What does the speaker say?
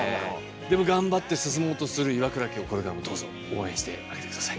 でも頑張って進もうとする岩倉家をこれからもどうぞ応援してあげて下さい。